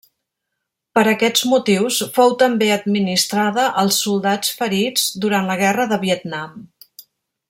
Per aquests motius, fou també administrada als soldats ferits durant la guerra de Vietnam.